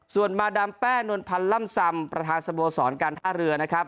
ส่วนมาดามแป้นวลพันธ์ล่ำซำประธานสโมสรการท่าเรือนะครับ